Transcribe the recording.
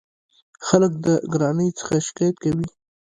خلک د ګرانۍ څخه شکایت کوي.